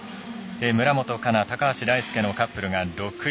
村元哉中、高橋大輔のカップルが６位。